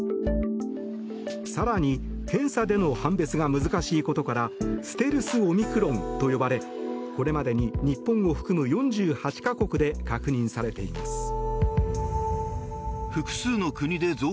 更に検査での判別が難しいことからステルス・オミクロンと呼ばれこれまでに日本を含む４８か国で確認されています。